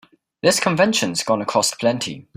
This convention's gonna cost plenty.